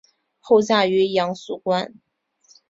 后嫁于杨肃观。